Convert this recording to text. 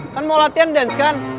kan mau latihan dance kan